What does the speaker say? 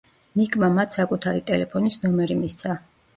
ნიკმა მათ საკუთარი ტელეფონის ნომერი მისცა.